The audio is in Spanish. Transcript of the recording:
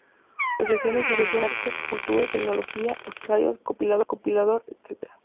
Reflexiones sobre arte, cultura y tecnología Ensayos, Compilador, Ed.